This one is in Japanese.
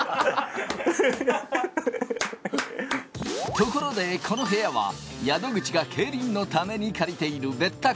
ところで、この部屋は宿口が競輪のために借りている別宅。